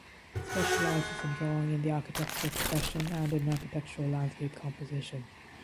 He specialises in drawing in the architectural profession and in architectural landscape composition.